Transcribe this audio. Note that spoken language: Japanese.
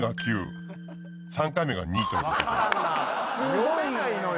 読めないのよ。